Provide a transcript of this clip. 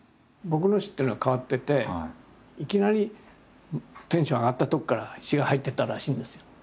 僕の詩っていうのは変わってていきなりテンション上がったとこから詩が入ってったらしいんですよ。